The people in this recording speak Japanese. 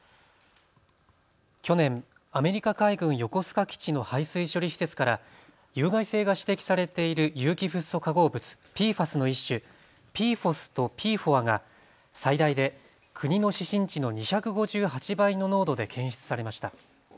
去年、アメリカ海軍横須賀基地の排水処理施設から有害性が指摘されている有機フッ素化合物、ＰＦＡＳの一種、ＰＦＯＳとＰＦＯＡが最大で国の指針値の２５８倍の濃度で検出されました。